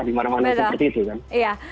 di mana mana seperti itu kan